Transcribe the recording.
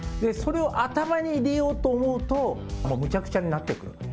それを頭に入れようと思うと、もうむちゃくちゃになってくる。